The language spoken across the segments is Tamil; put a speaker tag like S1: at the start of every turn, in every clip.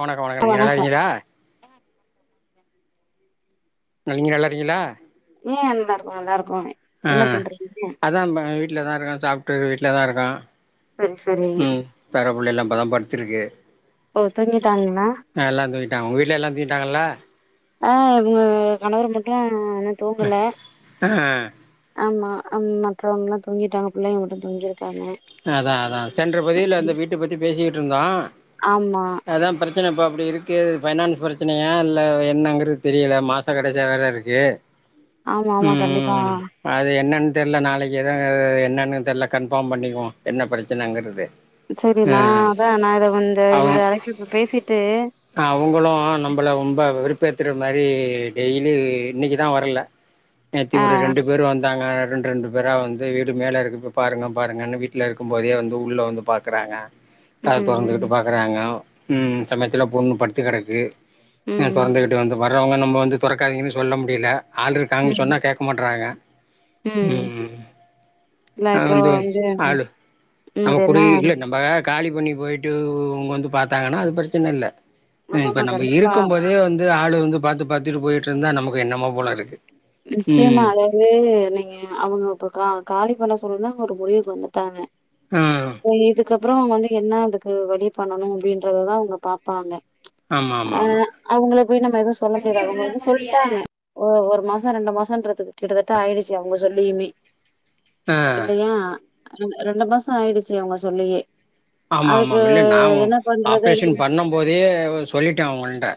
S1: வணக் வணக்கோ நீங்க நல்லாருக்கீங்ளா அ நீங்க நல்லா இருக்கீளா
S2: ம் எல்லாரு நல்லாருக்கோமே
S1: ஆ அதா இப்ப வீட்லதா இருக்கோ சாப்ட்டு வீட்லதா இருக்கோ
S2: சரி சரி
S1: ம் பேர புள்ளை எல்லா இப்பதா பட்த்துருக்கு
S2: ஓ தூங்கிட்டாங்ளா
S1: ட்ட உங்க வீட்ல எல்லா தூங்கிட்டாங்கல்ல
S2: ஆ மு கணவர் மட்டு இன்னு தூங்கல
S1: ஆ
S2: ஆமா அ மற்றவங்லா தூங்கிட்டாங்க புள்ளைங்க மட்டு தூங்கிருக்
S1: அதா அதா சென்ற பதிவுல அந்த வீட்ட பத்தி பேசிக்கிட்ருந்தோ
S2: ஆமா
S1: அதா பிரச்சனை இப்ப இப்டி இருக்கு அது ஃபைனான்ஸ் பிரச்சினையா இல்ல என்னங்கிறது தெரியல மாச கடைசியா வேற இருக்கு.
S2: ஆமா ஆமா
S1: ம் ம்
S2: கண்டிப்பா
S1: ம் அது என்னன் தெர்ல நாளைக்கி என்னங்கறத என்னன்னு தெர்ல கன்ஃபாம் பண்ணிகுவோ என்ன பிரச்சனங்கறது
S2: செரி நா அதா நா இத வந்து இந்த அழைப்பு இப்ப பேசிட்டு
S1: அ அவுங்களு நம்பள ரொம்ப வெறுப் பேத்துற மாரி டெய்லி இன்னிக்கிதா வர்ல நேத்தி
S2: ஆ
S1: ஒரு ரெண்டு பேரு வந்தாங்க ரெண்டு ரெண்டு பேரா வந்து வீடு மேல இருக்கு போய் பாருங்க பாருங்கன்னு வீ ட்ல இருக்கும் போதே வந்து உள்ள வந்து பாக்கறாங்க
S2: ம்
S1: கதவ தொறந்துகிட்டு
S2: ம்
S1: பாக்கறாங்க ம் சமயத்துல பொண்ணு பட்த்து கெடக்கு அ
S2: ம்
S1: தொறந்துகிட்டு வந்து பா க்றவங்க நம்ம வந்து தொறக்காதீங்கனு சொல்ல முடில ஆளு இருக்காங்ன்
S2: ம்
S1: சொன்னா கேக்க மாட்றாங்க. ம் ம் ம்
S2: இல்ல
S1: அ
S2: இப்போ
S1: வந்து ஆளு
S2: ம்
S1: நம்ம
S2: அது என்ன
S1: குடி இல்ல நம்ப காலி பண்ணி போயிட்டு உ உ இவுங்க வந்து பாத்தாங்கன்னா அது பிரச்சினை இல்ல ம்
S2: ஆமா
S1: இப்ப
S2: ஆமா
S1: நம்ம
S2: கண்டிப்பா
S1: இருக்கும் போதே வந்து ஆள் வந்து பாத்து பாத்துட்டு போயிட்ருந்தா நமக்கு என்னமோ போல இருக்கு
S2: நிச்சியமா
S1: ம்
S2: அதாவ்து நீங்க அவுங்க இப்ப கா காலி பண்ண சொல்நாங் ஒரு முடிவுக்கு வந்துட்டாங்க
S1: ஆ
S2: அ இது க்கப்புறோ அவுங்க வந்து என்ன அதுக்கு வழி பண்ணணு அப்டின்றததா அவுங்க பாப்பாங்க
S1: ஆமா ஆமா
S2: அ
S1: ஆமா
S2: அவுங்கள போய் நம்ம எது சொல்ல முடியாது அவுங்க வந்து சொல்ட்டாங்க. ஓ ஒரு மாசோ ரண்டு மாசன்றதுக்கு கிட்டதட்ட ஆயிடுச்சி அவுங்க சொல்லியிமே
S1: ஆ
S2: இல்லையா ர ரண்டு மாசோ ஆயிடுச்சி அவுங்க சொல்லியே
S1: ஆமா
S2: அதுக்கு
S1: ஆமாம் இல்ல நா
S2: என்ன பண்றது
S1: ஆப்ரேஷன்
S2: அப்படின்னு
S1: பண்ணம் போதே இவ் சொல்லிட்டே அவுங்கள்ட்ட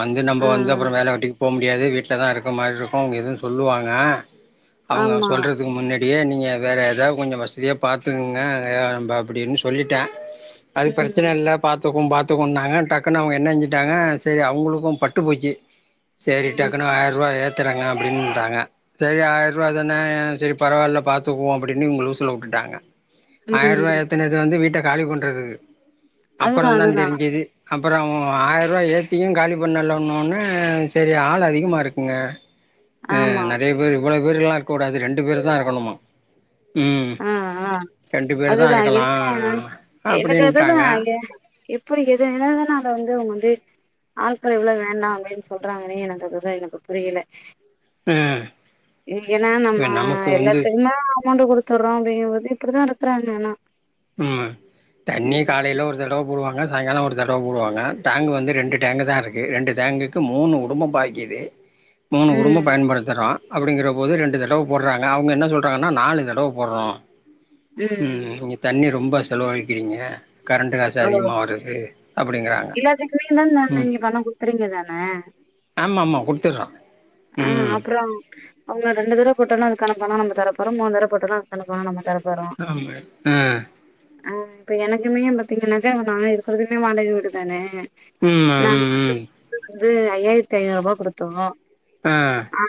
S1: வந்து நம்ப
S2: ஆ
S1: வந்து அப்புறோ வேல வெட்டிக் போ முடியாது வீட்லதா இருக்க மார்ருக்கு அவுங்க எது சொல்லுவாங்க அவுங்க
S2: ஆமா.
S1: சொல்றதுக்கு முன்னே டியே நீங்க வேற எதா கொஞ்சோ வசதியா பாத்துக்ங்க ஏ அம்பா அப்டின் சொல்லிட்டே அது பிரச்சன
S2: ம்.
S1: இல்ல பாத் த்துக்குவு பாத்துக்குவுன்னாங்க டக்குனு அவுங்க என்னஞ்சுட்டாங்க செரி அவுங்குளுக்கு பட்டு போச்சி சேரி
S2: ம்.
S1: டக்குனு ஆயர்ருவா ஏ த்தறங்க அப்டின்ட்டாங்க செரி ஆயர்ருவா தான செரி பரவால்ல பாத்துக்குவோ அப்டின்னு இவுங்க லூசுல உட்டுட்டாங்க ஆயர்ருவா
S2: ம்.
S1: ஏத்தனது வந்து வீட்ட காலி பண்றதுக்கு
S2: அதுதான்
S1: அப்பறந்தா
S2: அதுதான்.
S1: தெரிஞ்சிது அப்புறோ ஆயர்ருவா ஏத்தியு காலி பண்ணலன ஒன்னே செரி ஆள் அதிகமா இருக்குங்க அ
S2: ஆமா.
S1: நறைய பேரு இவ்வளோ பேருல்லா இருக்கூடாது ரெண்டு பேரு தா இருக்கணுமா. ம் ரெண்டு பேரு தாரு
S2: அ எனக்கு அதுதா ஏ எப்பிடி எது எத எதனால வ து இவுங்க வந்து ஆள்கள் இவ்ளோ வேண்டா அப்டின் சொல்றாங்கனே எனக்கு அதுதா எனக்கு புரியில
S1: ம்
S2: இ ஏனா நம்ம
S1: இப்ப நமக்கு வந்து
S2: எல்லாத்துக்குமே அமௌண்டு குடு த்தர்றோ அப்டிங்கம்போதே இப்பிடிதா இருக்கறாங்க ஆனா
S1: ம் தண்ணி
S2: ம்
S1: காலையில ஒரு தடவ போடுவாங்க சாய்ங்காலோ ஒரு தடவ போடுவாங்க டேங்கு வந்து ரெண்டு டேங்கு தா இருக்கு ரெண்டு டேங்குக்கு மூணு குடும்பம் பாவிக்குது மூணு குடும்போ
S2: ம்
S1: பயன்படுத்துறோ அப்டிங்கிற போது ரெண்டு தடவை போடுறாங்க அவங்க என்ன சொல்றாங்கன்னா நாலு தடவை போடுறோ
S2: ம்
S1: தண்ணி ரொம்ப செலவழிக்கிறீங்க கரண்ட் காசு
S2: ஓ
S1: அதிகமா வருது அப்டிங்கறாங்க
S2: எல்லாத்துக்குமே தான
S1: ம்
S2: நீங்க பணம் குடுக்குறீங்க தான
S1: ஆமாமா குடுத்துடுறோ
S2: ஆ அப்புறோ அவ்ளோதா ரெண்டு தடவை போட்டாலு அதுக்கான பணோ நம்ம தர போறோம் மூணு தடவ போட்டாலு அதுக்கான பணோ நம்ம தரப்
S1: ஆமே ஆ
S2: ஆ இப்ப எனக்குமே பாத்தீங்கன்னாக்க நா இருக்கறதுமே வாடக வீடுதானே
S1: ம்
S2: நாங்க
S1: ம்
S2: வந்து
S1: ம்
S2: புதுசுல வந்து ஐயாயிரத்து ஐநூறு ரூபாய் குடுத்தோ
S1: ஆ
S2: ஆ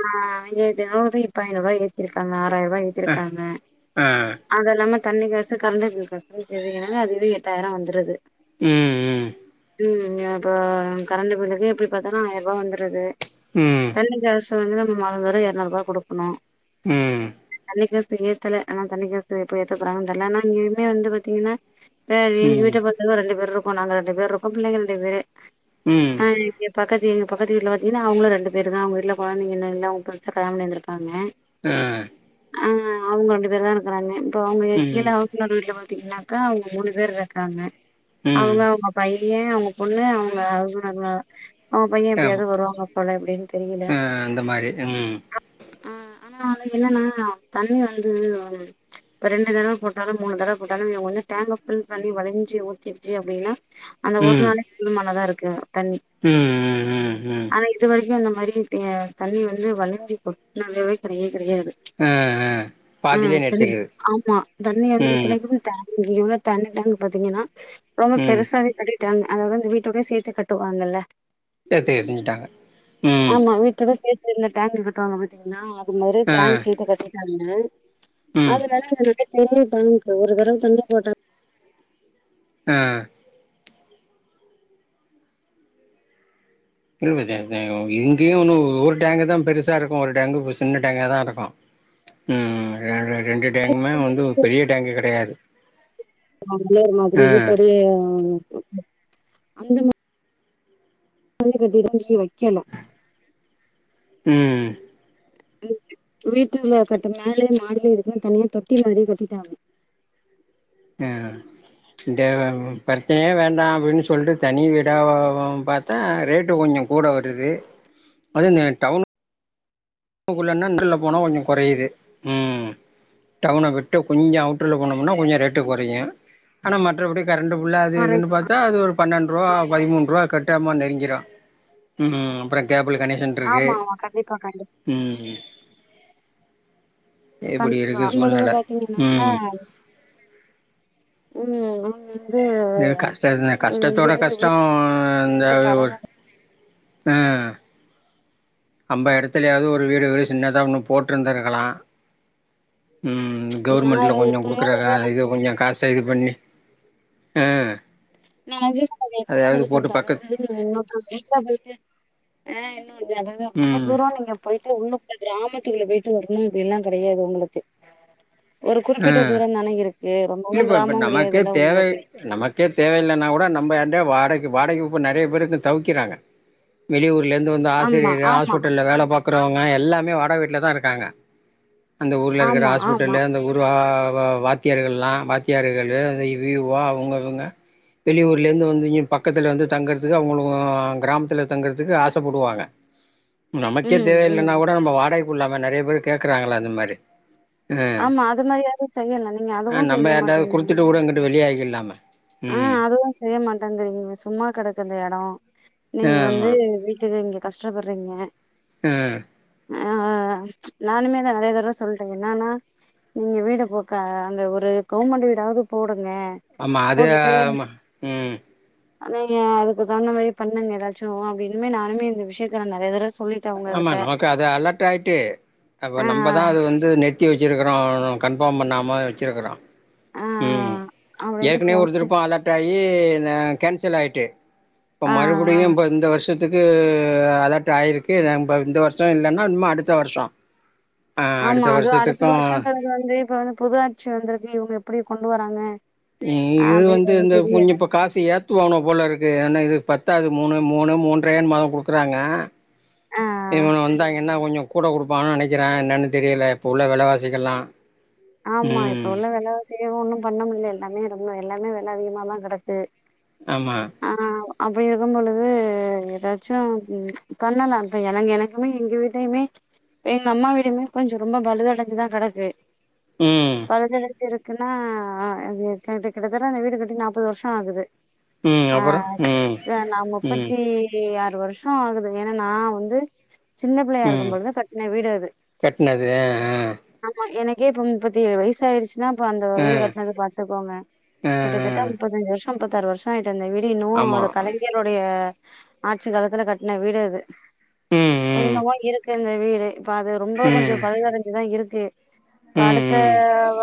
S2: எதையாவது இப்ப ஐநூறூபா ஏத்திருக்காங்க அ எட்டாயிர ரூபா
S1: அ
S2: ஏத்திருக்காங்க
S1: ஆ
S2: அது இல்லாம தண்ணி காசு கரண்டு பில் காசுங்கனா இது என்னான்னா அது இது எட்டாயிரரூவா வந்துருது
S1: ம் ம்
S2: ம் இப்ப கரண்ட் பில்லுக்கு எப்டி பாத்தாலு ஆயிரம் ரூபாய் வந்துருது
S1: ம்
S2: தண்ணி காசு இப்ப வந்து நம்ம மாதம் வேற எரநூறுபா குடுக்கணு
S1: ம்
S2: தண்ணி காசு ஏத்தல ஆனா தண்ணி காசு எப்போ ஏத்தபோறாங்கன்னு தெரியல ஆன இனிமேல் வந்து பாத்தீங்கன்னா சேர் எங்க
S1: ம்
S2: வீட்ட பாத்தீங்கன்னா ரெண்டு பேரு இருக்கோ நாங்க ரெண்டு பேரு இருக்கோ பிள்ளைக ரெண்டு பேரு
S1: ம்
S2: ஆ இங்க பக்கத்து வீட்டு பக்கத்து வீட்டுல பாத்தீங்கன்னா அவுங்களு ரெண்டு வெறுதா அவுங்க வீட்ல கொழந்தைங்க இல்ல இருந்தா அவங்க புதுசாக கல்யாண பண்ணியிருந்திருப்பாங்க
S1: ஆ
S2: ஆஹ் அவங்க ரெண்டு பேர் தா இருக்கறாங்க இப்ப அவங்க
S1: ம்
S2: கீழே இன்னொரு வீட்டுல வ திங்னாக்கா அவங்க மூணு பேர் இருக்காங்க
S1: ம்
S2: அவங்க அவங்க பை யே அவங்க பொண்ணு அவங்க அது அவங்க பைய எப்பாயாது
S1: ஆமா
S2: வருவாங்க போல அப்டின்னு
S1: ஆ அந்த மாரி உம்
S2: ஆ ஆன என்னன்னா தண்ணி வந்து அது ரெண்டு தடவை போட்டாலு மூணு தடவ போட்டாலும் ஒன்னு டேங்க ஃபில் பண்ணி வளிஞ்சி ஊத்திடுச்சு அப்டின்னா அந்த ஒரு
S1: ம்
S2: நாளக்கு போதுமானதா இருக்கு தண்ணி
S1: ம் ம் ம் ம்
S2: ஆனா இது வரைக்கு இந்த மாரி யே தண்ணி வந்து வலிஞ்சி கொட்னதாவே கிடையாது கிடையாது
S1: ஆ ஆ
S2: ஆ
S1: பாதிலே
S2: தண்ணி
S1: நிறுத்திடுது
S2: ஆமா தண்ணி வந்து
S1: ம்
S2: இத்தனைக்குமே டேங் இங்க உள்ள தண்ணி டேங்க்கு பாத்தீங்கன்னா ரொம்ப
S1: ம்
S2: பெருசாவே கட்டிட்டாங்க அதவந்து வீட்டோடயே சேத்துக் கட்டுவாங்கல்ல
S1: சேத்து கட்டிட்டாங்க
S2: ஆமா வீட்டோட சேத்து இருந்த டேங்க் கட்டுவாங்க பாத்தீங்களா அது மாரி
S1: ஆ
S2: டேங்க் சேத்து கட்டிட்டாங்க
S1: ம்
S2: அதனால அத நல்ல பெரிய டேங்க்கு ஒரு தடவை தண்ணி போட்ட
S1: ஆ இல்வதே டேங்கு இங்கேயு ஒன்னு ஒரு டேங்கு தா பெருசா இருக்கு ஒரு டேங்கு சின்ன டேங்க தா இருக்கு ம் ரெ ரெண்டு டேங்குமே வந்து ஒரு பெரிய டேங்கு கிடையாது
S2: அவங்களே அந்த மாதிரி வீட்டோடைய அந்த மா மாரி கட்டிட்டு டேங்கே வெக்கல
S1: ம்
S2: வீட்டுல கட்டு மேலேயே மாடிலயு இருக்குன்னு தனியா தொட்டி மாரி கட்டிட்டாங்க
S1: ஆ இந்த பிரச்சனையே வேண்டா அப்டின்னு சொல்ட்டு தனி வீடாவ பாத்தா ரேட்டு கொஞ்சோ கூட வரு து அது இந்த டவுன் னுக்குள்ளனா [unintelligible] போனா கொஞ்ச கொறையுது ம் டவுன விட்டு கொஞ்ச அவுட்டர்ல போனோம்னா கொஞ்ச ரேட்டு கெறையு ஆனா மற்றபடி கரண்டு ஃபுல்லா அது இதுன்னு
S2: கொறையு
S1: பாத்தா அது ஒரு பன்னெண்டு ரூவா பதிமூன்ரூவா கட்டாயமா நெருங்கிறு ம் அப்புற கேபிள் கனேக்ஷன்ருக்கு
S2: ஆமா ஆமா கண்டிப்பா கண்டிப்பா
S1: ம்ஹு
S2: கண்டிப்பா எங்களுக்கு பாத்தீங்கன்னாக்கா
S1: ம்
S2: ம் நாங்க
S1: ம் கஷ்ட என்ன ஸ்லகஷ்டத்தோட கஷ்டோ
S2: எவ்ளோ
S1: இந்த இது
S2: பரவ
S1: ஒரு ஆ நம்ப எடத்துலயாவது ஒரு வீடு மரி சின்னதா ஒண்ணு போட்ருந்திருக்கலா ம்
S2: நா
S1: கவுவர்மெண்ட்ல கொஞ்ச
S2: எத்தனையோ
S1: குடுக்குற எதனா
S2: தடவ
S1: இது கொஞ்ச காசு ரெடி பண்ணி ஆ
S2: நா அஞ்சு [inaudible] எத்தனையோ
S1: அதையாவது
S2: தடவ
S1: போட்டு
S2: சொல்ட அத
S1: பக்கத்
S2: வந்து வீட்டுல நின்னு போசிட்டு அப்டியே கி ஆ ம் இது அதுதா ரொம்ப
S1: ம்
S2: தூரோ நீங்க போயிட் டு உள்ளக்க கிராமத்துக்குள்ள போயிட்டு வரணுன் இப்டி எல்லா கெடையாது உங்களுக்கு ஒரு
S1: ஆ
S2: குறிப்பிட்ட தூரோ தானே இருக்கு ரொம்பவு
S1: இல்லப்பா இப்ப
S2: கிராமோ
S1: நமக்கே
S2: கெடையாதுல உங்களுக்கு
S1: அதா நம்ப எட வாடக வாடகைகு இப்ப நெறைய பேரு வந்து தவிக்கிறாங்க வெளியூர் ருல இருந்து வந்து
S2: ஆமா
S1: ஆசிரியர்
S2: ஆமா
S1: ஹாஸ்பிட்டல்ல வேல பாக்குறவங்க எல்லாமே வாடக வீட்டுல தா இருக்காங்க அந்த ஊர்ல இருக்குற
S2: ஆமா ஆமா
S1: ஹாஸ்பிட்டல்லு அந்த ஊ ஆ வ வாத்தியார்கள்லா வாத்தியார்களு இவி இவா அவங்க இவங்க வெளியூர்ல இருந்து வந்து இங்க பக்கத்துல வந்து தங்குறதுக்கு அவங்களு கிராமத்துல தங்கறதுக்கு ஆசப்படுவாங்க நமக்கே
S2: ம்
S1: தேவ
S2: ம்
S1: இல்லன்னா கூட நம்ம வாடகைக்குட்ளாமே நெறைய பேர் கேக்குறாங்கள அந்த மாரி அ
S2: ஆமா அது மாரியாவது செய்யலா நீங்க
S1: ஆ
S2: அதுவு
S1: நம்ம
S2: செய்ய
S1: ஏதாவது
S2: மாட்டேங்கிறீங்க
S1: குடுத்துட்டு கூட இங்கிட்டு வெளிய ஆயிட்ல்லாமே
S2: ஆ அதுவு செய்ய மாட்டேங்கிறீங்களே சும்மா கெடக்க இந்த எடோ நீங்க வந்து
S1: ஆமாம்
S2: வீட்டுக்கு இங்க கஷ்டப்படுறீங்க
S1: ஆ
S2: ஆ நானுமே நா நெறைய தடவ சொல்டேங்க என்னான்னா நீங்க வீடு போக்க அந்த ஒரு கவுமண்டு வீடாவது போடுங்க
S1: ஆமாம் அது ஆமா ம்
S2: ஆ நீங்க அதுக்கு தகுந்த மாரி பண்ணுங்க ஏதாச்சு அப்டின்னுமே நானுமே இந்த விஷயத்துல நெறைய தடவ ச்
S1: ஆமா நமக்கு அது அலர்ட் ஆயிட்டு அப்ப
S2: ஆ
S1: நம்பதா அது வந்து நெ த்தி வெச்சிருக்கோ கன்ஃபார்ம் பண்ணாம வொச்சிருக்குறோ
S2: ஆ ஆ
S1: ம்
S2: அப்டின்னு
S1: ஏற்கனவே ஒருதரு
S2: சொன்னே
S1: இப்போ அலர்ட் ஆகி நா கேன்சல் ஆயிட்டு இப்ப
S2: ஆ ஆ
S1: மறுபிடியு இப்ப இந்த வருஷத்துக்கு அலர்ட் ஆயிருக் கு நம்ப இந்த வருஷொ இல்லைன்னா இன்ம அடுத்த வருஷொ
S2: ஆமா அதுவு அடுத்த வருஷங்குறது வந்து இப்ப வந்து புது ஆட்சி வந்திருக்கு இவங்க எப்படி கொண்டு வராங்க
S1: இ இது வந்து
S2: அப்டின்றது
S1: இந்த கொஞ்ச
S2: தெரியல
S1: இப்ப காசு ஏத்துவாங்க போல இருக்கு ஏன்னா இது ப த்தாது மூணு மூணு மூன்ற என்மோ குடுக்குறாங்க
S2: ஆ
S1: இவனுங்க வந்தா என்ன கொஞ்சொ கூட கொடுப்பான்னு நெனைக்கிறே என்னன்னு தெரியல இப்ப உள்ள வெலவாசிக்கெல்லா
S2: ஆமா இப்ப
S1: ம்
S2: உள்ள வேல வாசிக்குல ஒன்னு பண்ண முட்ல எல்லாமே ரொம்ப எல்லாமே வெல அதிகமாதா கெடக்கு
S1: ஆமா
S2: அப்படி இருக்கும் பொழுது ஏதாச்சு பண்ணலா இப்ப எனக்கு எனக்குமே எங்க கிட்டயுமே எங்க அம்மா வீடுமே கொஞ்ச ரொம்ப பலுதடஞ்சுதா கடக்கு
S1: ம்
S2: பழுதுடுஞ்சு இருக்குனா ஆ அது கிட்ட கிட்டத்தட்ட அந்த வீடு கட்டி நாப்பது வருஷோ ஆகுது
S1: ம்
S2: அ
S1: அப்புறோ ம்
S2: நா நா
S1: ம்
S2: முப்பத்தி ஆறு எட்டு வருஷோ ஆகுது ஏன்னா நா வந்து சின்ன பிள்ளையா இருக்கும்
S1: ம்
S2: பொழுது கட்ன வீடு அது
S1: கட்னது ஆ
S2: ஆனா எனக் கே இப்ப முப்பத்தி ஏழு வயசு ஆயிடுச்சுன்னா இப்ப அந்த
S1: ஆ
S2: வீடு
S1: ஆ
S2: கட்னது பாத்துக்கோங்க
S1: ம்
S2: கிட்டத்தட்ட
S1: ம்
S2: முப்பத்தஞ்சு வருஷ் முப்பத்தாறு வருஷோ ஆயிட்டு அந்த வீடி இன்னு
S1: ஆமா
S2: அத கலைஞருடைய ஆட்சி காலத்துல கட்டின வீடு அது
S1: ம் ம்
S2: இன்னமோ இருக்கு இந்த வீடு இப்ப அது ரொம்ப கொஞ்சோ
S1: ம்
S2: பழுதடஞ்சுதா இருக்கு ப்ப
S1: ம்
S2: அடுத்த
S1: ம்
S2: வ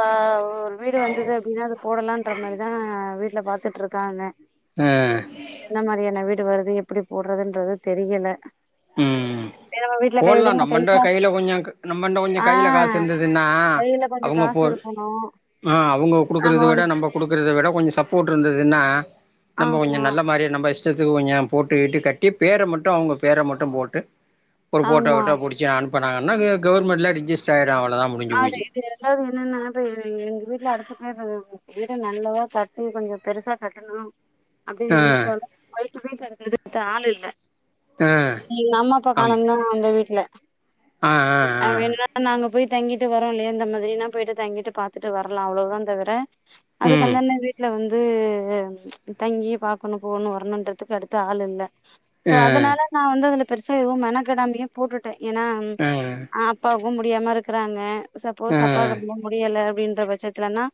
S2: ஒரு வீடு வந்தது அப்படின்னா அது போடலான்ற மாரிதான் வீ ட்லா பாத்துட்டுருக்காங்க
S1: ஆ
S2: என்னா மாரியான வீடு டு வருது எப்படி போடுறதுன்றது தெரியல
S1: உம்
S2: ஏ நம்ம வீட்ல கை வச்சு
S1: போடலாம்
S2: நம்ம கை
S1: நம்மண்ட
S2: காசு
S1: கையில கொஞ்சோ நம்மண்ட கொஞ்சோ
S2: ஆ
S1: கையில காசு இருந்ததுன்னா
S2: கையில கொஞ்சோ
S1: அவங்க
S2: காசு
S1: போ
S2: இருக்கணும்
S1: ஆ அவங்க குடுக்கறத விட நம்ம குடுக்குறத விட கொஞ்சோ சப்போர்ட் இருந்ததுனா நம்ம கொஞ்சோ
S2: ஆமா
S1: நல்ல மாதிரிய நம்ம த்துக்கு கொஞ்சோ போட்டுக்கிட்டு கட்டி பேர மட்டும் அவங்க பேர மட்டும் போட்டு ஒரு போபட்டோ
S2: ஆமா
S1: கிட்டோ புடிச்சு அனுப்புனாங்கன்னா கவர்மென்ட்ல ரிஜஸ்ட ஆகிடு
S2: அ இது எல்லாவும் என்னன்ன அப்ப எங்க வீட்டுல அடுத்த பேயர் நல்லவா கட்டி கொஞ்சோ பெருசா கட்டணும் அப்படின்னு
S1: ஆ
S2: நனைச்ச ஆ சது ஆள் இல்ல
S1: ஆ
S2: அம்ம அப்பா
S1: ஆமா
S2: காலம்தான் அந்த வீட்டுல
S1: ஆ ஆ
S2: அவ
S1: ஆ
S2: என்னதா நாங் தங்கிட்டு வரோ இலயா இந்த மாதிரின்னா போயிட்ட தங்கிட்டு பாத்துட்டு வராலா அவ்ளவுதா தவிர
S1: ம்
S2: அதுக்குந்தான வீட்டுல வந்து து தங்கி பாக்கணும் போகணும் வரணுன்றதுக்கு அடுத்து ஆள் இல்ல சோ
S1: ஆ
S2: அதனால நான் வந்து அதுல பெருச எதுவும் மனக்கெடாம்பியும் போட்டுட்டேன் ஏனா
S1: ம்
S2: அப்பாவுக்கும் முடியாம இருக்கிறாங்க சப்போஸ் அப்பாக்கு
S1: ம்
S2: ரோம்ப முடியல அப்டின் தா பட்சத்துனா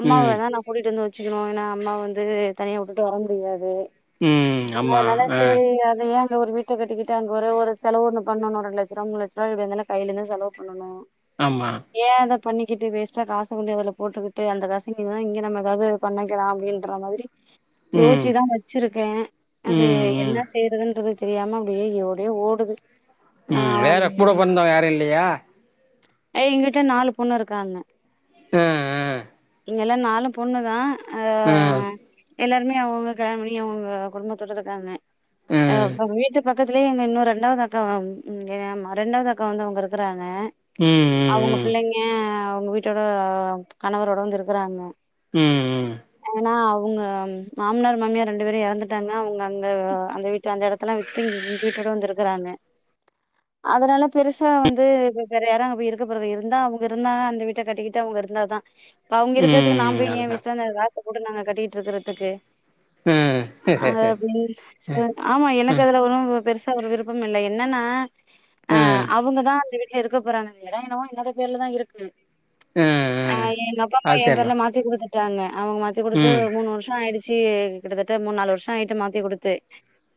S2: அம்மாவ
S1: ம்
S2: தா நா கூட்டிட்டு வந்து சுக்கனு ஏனா அம்மா வந்து தனியாக விட்டுட்டு வர முடியாது
S1: ம் ஆமா
S2: அதனால
S1: ஆ
S2: செரி அத ஏ அங்க ஒரு வீட்ட கட்டிக்கிட்டு அங்க ஓரே ஒரு செலவு ஒன்னு பண்ணணும் ரெண்டுலெட்ச ரூவா மூணு லட்ச ரூவா எப்படி வந்தாலும் கையிலிருந்து செலவு பண்ணணும்
S1: ஆமா
S2: ஏதுப் பண்ணிக்கிட்டு வேஸ்ட்டா காச கொண்டு அதில போட்டுக்கிட்டு அந்த காசுங்க தான் இங்க நம்மதாவது பண்ணிக்கலாம் அப்படின்ற மாதிரி
S1: ம்
S2: யோச்சிதா வச்சிருக்க அது
S1: ம்
S2: என்ன
S1: ம்
S2: செய்யறதுன்றது தெரியாம அப்டியே ஒடே ஓடுது நா
S1: ம் வேற கூட போறந்தங்க யாரு இல்லயா
S2: ஏ எங்கிட்ட நாலு பொண்ணு இருக்காங்க
S1: ம் ம்
S2: இங்கெல்லா நாலும் பொண்ணு தா ஆ எல்லாருமே அவுங்கவுங்க கல்யாணம் பண்ணி அவுங்கவுங்க குடும்பத்தோட இருக்காங்க ஆ வீட்டு பக்க பக்கத்துலயே எங்க இன்னொரு ரெண்டாவது அக்கா ரெண்டாவது அக்கா வந்து அவங்க இருக்குறாங்க
S1: ம் ம்
S2: அவங்க
S1: ம்
S2: பிள்ளைங்க அவங்க வீட்டோட கணவரோட வந்து இருக்கறாங்க
S1: ம் ம்
S2: ஏனா அவுங்க மாமனார் மாமியா ரெண்டு பேரும் எறந்துட்டாங்க அவங்க அங்க அந்த வீட்டு அந்த எடத்தல விட்டுட்டு இங்க வீட்டோட வந்து இருக்குறாங் நெ அதனால பெருசா வந்து வேற யாரும் அங்க போய் இருக்க போற இருந்தா அவங்க இருந்தா அந்த வீட்ட கட்டிக்கிட்டு அவங்க இருந்தாதா அவங்க இருக்கறதுக்கு நா
S1: ம்
S2: போய் ஏ
S1: அதுதான்
S2: வேஸ்டா காச போட்டு நாங்க கட்டிட்டு இருக்கிறதுக்கு
S1: ஆ ஆ
S2: ஆப்டினு சோல ஆமா
S1: ஆ ஆ
S2: எனக்கு அதுல ஒன்னும் பெருசா ஒரு விருப்பம் இல்ல என்னன்னா அ
S1: ஆ
S2: அவங்கதான் இருக்க போராங்க எடோ என்னமோ என்னோட பேர்ல தா இருக்கு
S1: ஆ
S2: ஆ ஏ ங்க அப்பா அம்மா
S1: அது
S2: என் பேர்ல
S1: சரிதான்
S2: மாத்தி குடுத்துட்டாங்க அவங்க மாத்தி குடுத்து
S1: ம்
S2: மூணு வருஷம் ஆயிடுச் சி கிட்டதட்ட மூணு நாலு வருஷ ஆயிட்டு மாத்தி குடுத்து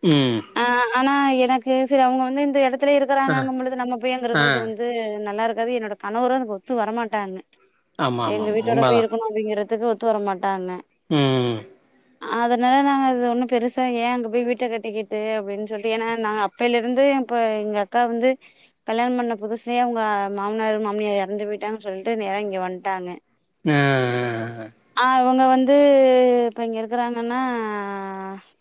S1: ம்
S2: ஆ ஆனா எனக்கு செரி அவங்க வந்து இந்த எடத்துலய
S1: ஆ
S2: இருக்கறாங்கங்க பொழுது நம்ம போய் அங்க
S1: ஆ
S2: இருக்கற து வந்து நல்லா இருக்காது என்னோட கணவரும் அதுக்கு ஒத்து வரமாட்டாங்க
S1: ஆமா ஆமா
S2: எங்க
S1: ஆமா
S2: வீட்டோட போய்
S1: உண்மதான்
S2: இருக்கணும் அப்படிங்கறதுக்கு ஒத்து வர மாட்டாங்க
S1: ம்
S2: அதனால நாங்க அது ஒண்ணு பெருசா ஏ அங்க போய் வீட்ட கட்டிக்கிட்டு அப்டின்னு சொல்லி ஏன்னா நாங்க அப்பையில இருந்து இப்ப எங்க அக்கா வந்து கல்யாணம் பண்ண புதுசலையே அவுங்க மாமனார் மாமியார் எறந்து போயிட்டாங்கன்னு சொல்லிட்டு நேர இங்க வன்ட்டாங்க
S1: ஆ ஆ
S2: ஆ இவங்க வந்து இப்ப இங்க இருக்கறாங்கன்னா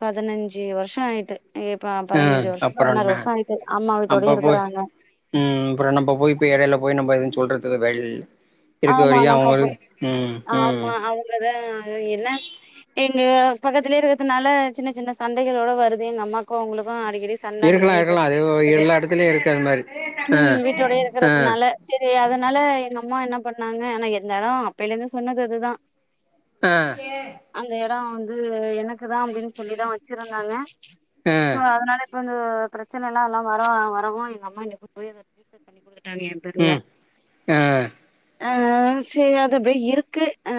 S2: பதனஞ்சு வரு ஷாயிட்டு இப்ப
S1: ஆ
S2: பதினஞ்சு வருஷ
S1: அப்புறம்
S2: பதினாறு
S1: என்ன
S2: வருஷ ஆயிட்டு அம்மா வீட்டோடயே இருக்கறாங்க
S1: அப்றோ நம்ப போய் இப்ப எடையில போய் நம்ம எதுவு சொல்றது வழ்
S2: ஆமா நம்ம போ
S1: ம்
S2: ஆமா அவங்கதா என்ன எங்க பக்கத்திலயே இருக்கிறதுனால சின்னச் சின்ன சண்டைகளோட வருது எங்க அம்மாக்கு அவுங்களுக்கு அடி க்கடி சண்ட அந்த
S1: இருக்கலா
S2: மாரி
S1: இருக்கலா அது
S2: பிரச்சனயெல்லா வருது
S1: எல்லா எடத்துலயு இருக்கு அது மாரி ஆ
S2: ம் வீட்டோடயே
S1: ஆ
S2: இருக்கிறதுனால செரியா அதனால எங்க அம்மா என்ன பண்ணாங்க ஆனா இருந்தாலு அப்பையில இருந்து சொன்னது அதுதா
S1: ஆ
S2: அந்த வந்து எனக்குதா அப்டின்னு சொல்லிதா வச்சிருந்தாங்க
S1: ஆ
S2: சோ அதனால இப்ப வ பிரச்சனை எல்லா எல்லா வர வருவு எங்க அம்மா எனை கூட்டுப் போய் அத [inaudible] பண்ணி ட்டாங்க எ பேருல
S1: ம் ஆ
S2: அ செரி அது அப்டியே இருக்கு ஆ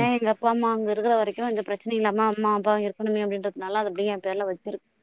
S1: ம்
S2: எங்க அப்பா அம்மா அங்க இருக்கிற வரைக்கு எந்த பிரச்சனையு இல்லாம அம்மா அப்பாவ இருக்கணுமே அப்டின்றதுனால அத அப்டியே எ பேர்ல வச்சிருக்